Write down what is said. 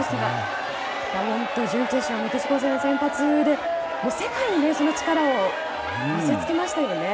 準決勝、メキシコ戦の先発で世界にその力を見せつけましたよね。